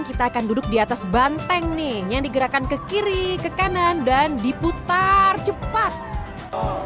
kita akan duduk di atas banteng nih yang digerakkan ke kiri ke kanan dan diputar cepat